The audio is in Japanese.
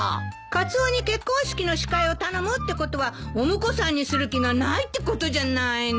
カツオに結婚式の司会を頼むってことはお婿さんにする気がないってことじゃないの。